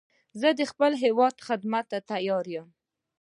زه د خپل هېواد خدمت ته تیار یم